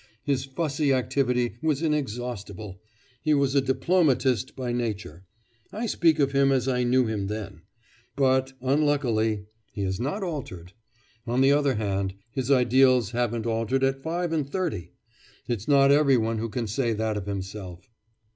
His fussy activity was inexhaustible he was a diplomatist by nature. I speak of him as I knew him then. But unluckily he has not altered. On the other hand, his ideals haven't altered at five and thirty! It's not every one who can say that of himself!